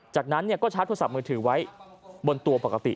จากนั้นก็ชาร์จโทรศัพท์มือถือไว้บนตัวปกติ